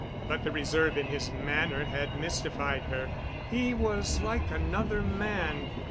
But the reserve in his manner had mystified her. He was like another man.